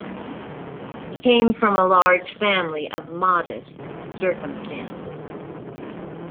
He came from a large family of modest circumstances.